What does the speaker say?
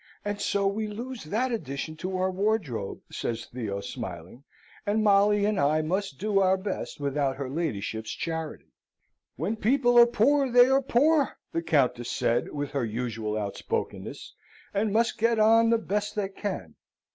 And so we lose that addition to our wardrobe," says Theo, smiling, "and Molly and I must do our best without her ladyship's charity. 'When people are poor, they are poor,' the Countess said, with her usual outspokenness, 'and must get on the best they can.